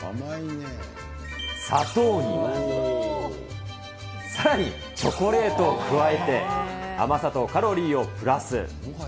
砂糖に、さらにチョコレートを加えて、甘さとカロリーをプラス。